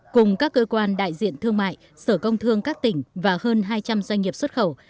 cùng các cơ quan đại diện thương mại sở công thương các tỉnh và hơn hai trăm linh doanh nghiệp xuất khẩu